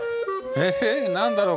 え何だろう？